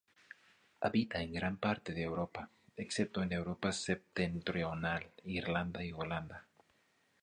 Habita en gran parte de Europa, excepto en Europa septentrional, Irlanda y Holanda.